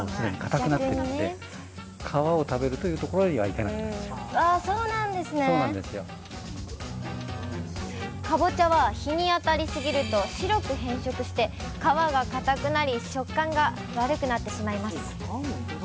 ちなみにかぼちゃは日に当たりすぎると白く変色して皮がかたくなり食感が悪くなってしまいます。